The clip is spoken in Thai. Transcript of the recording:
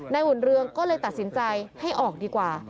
อุ่นเรืองก็เลยตัดสินใจให้ออกดีกว่า